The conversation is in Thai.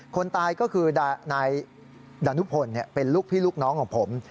คนตายก็คือนายดานุพลเป็นลูกพี่ลูกน้องของผม